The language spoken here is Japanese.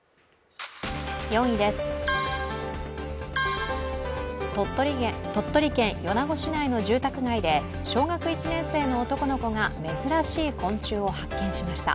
４位です、鳥取県米子市内の住宅街で小学１年生の男の子が珍しい昆虫を発見しました。